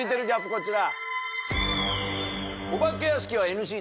こちら。